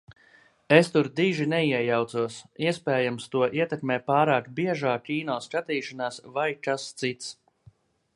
Es tur diži neiejaucos. Iespējams, to ietekmē pārāk biežā kino skatīšanās vai kas cits.